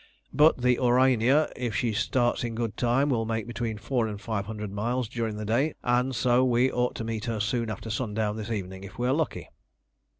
But the Aurania, if she starts in good time, will make between four and five hundred miles during the day, and so we ought to meet her soon after sundown this evening if we are lucky."